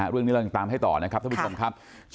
เรื่องนี้เรายังตามให้ต่อนะครับท่านผู้ชมครับ